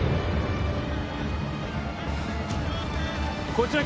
こちら